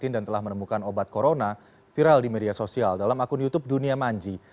dan telah menemukan obat corona viral di media sosial dalam akun youtube dunia manji